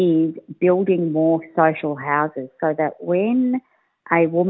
membangun rumah sosial lebih banyak